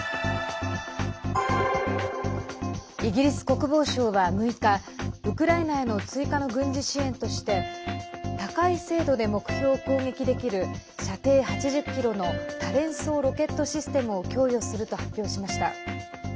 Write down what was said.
イギリス国防省は６日ウクライナへの追加の軍事支援として高い精度で目標を攻撃できる射程８０ｋｍの多連装ロケットシステムを供与すると発表しました。